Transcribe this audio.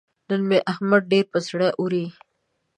نن مې احمد ډېر پر زړه اوري.